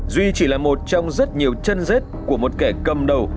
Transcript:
duy chỉ là một trong rất nhiều chân rết của một kẻ cầm đầu